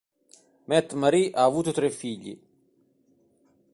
Mette-Marit ha avuto tre figli.